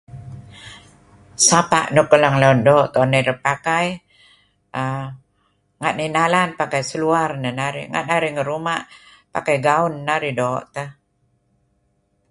Sapa' nuk leng-leng doo' tu'en narih pakai, aaa... tak narh nalanpakai seluar neh narih. Nga' narih ngih ruma' pakai gaun narih doo' teh.